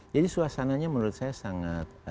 jadi suasananya menurut saya sangat